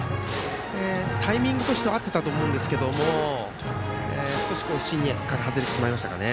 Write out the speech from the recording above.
タイミングとしては合っていたと思いますが少し芯から外れてしまいましたかね。